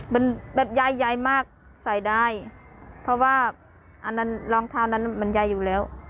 มันแบบใหญ่มากใส่ได้เพราะว่าอันนั้นรองเท้านั้นมันใหญ่อยู่แล้ว